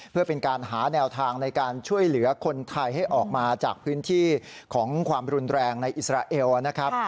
เพื่อเป็นการหาแนวทางในการช่วยเหลือคนไทยให้ออกมาจากพื้นที่ของความรุนแรงในอิสราเอลนะครับ